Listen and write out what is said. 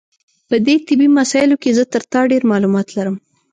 په دې طبي مسایلو کې زه تر تا ډېر معلومات لرم.